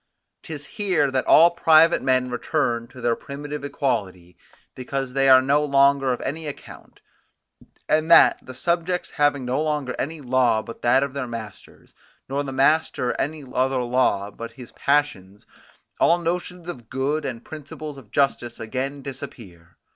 'Tis here that all private men return to their primitive equality, because they are no longer of any account; and that, the subjects having no longer any law but that of their master, nor the master any other law but his passions, all notions of good and principles of justice again disappear.